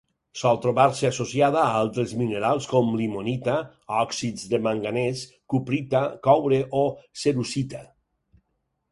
Sol trobar-se associada a altres minerals com: limonita, òxids de manganès, cuprita, coure o cerussita.